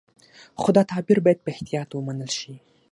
خو دا تعبیر باید په احتیاط ومنل شي.